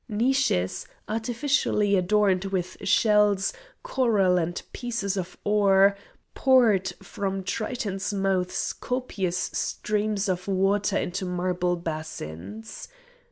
Niches, artificially adorned with shells, coral, and pieces of ore, poured from Tritons' mouths copious streams of water into marble basins.